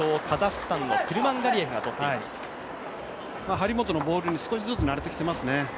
張本のボールに少しずつ慣れてきてますね。